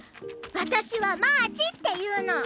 わたしはマーチっていうの！